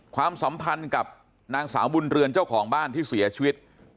ความสัมพันธ์กับนางสาวบุญเรือนเจ้าของบ้านที่เสียชีวิต